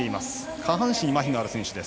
下半身にまひがある選手。